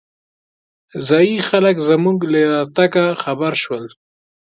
ځايي خلک زمونږ له راتګ خبر شول.